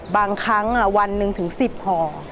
บางครั้งวันหนึ่งถึง๑๐ห่อ